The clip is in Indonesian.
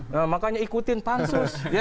nah makanya ikutin pansus